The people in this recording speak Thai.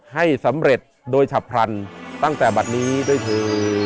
ให้สำเร็จโดยฉับพลันตั้งแต่บัตรนี้ด้วยเธอ